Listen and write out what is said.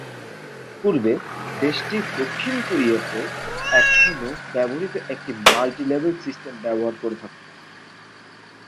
পূর্বে, দেশটি দক্ষিণ কোরিয়াতে এখনও ব্যবহৃত একটি মাল্টি-লেভেল সিস্টেম ব্যবহার করে থাকত।